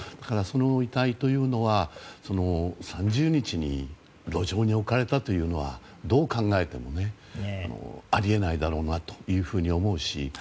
その遺体というのは３０日に路上に置かれたというのはどう考えてもあり得ないだろうなというふうに思うし。